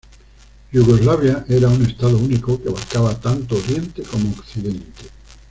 Yugoslavia era un estado único, que abarcaba tanto Oriente como Occidente.